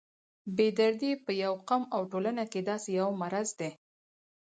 بې دردي په یو قوم او ټولنه کې داسې یو مرض دی.